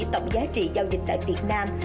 tổng giá trị giao dịch tại việt nam